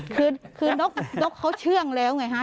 คือนกเขาเชื่องแล้วไงฮะ